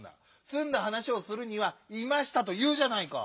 すんだはなしをするには「いました」というじゃないか！